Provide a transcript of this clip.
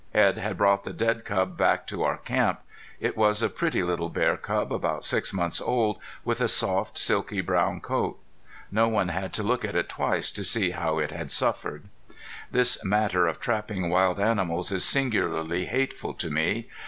Edd had brought the dead cub back to our camp. It was a pretty little bear cub, about six months old, with a soft silky brown coat. No one had to look at it twice to see how it had suffered. This matter of trapping wild animals is singularly hateful to me.